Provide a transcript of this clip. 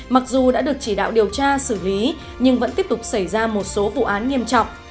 mặc dù đã được chỉ đạo điều tra xử lý nhưng vẫn tiếp tục xảy ra một số vụ án nghiêm trọng